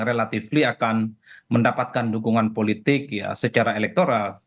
relatively akan mendapatkan dukungan politik secara elektoral